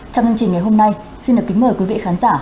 trong chương trình ngày hôm nay xin được kính mời quý vị khán giả